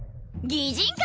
擬人化？